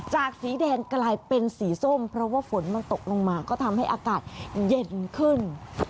สีแดงกลายเป็นสีส้มเพราะว่าฝนมันตกลงมาก็ทำให้อากาศเย็นขึ้น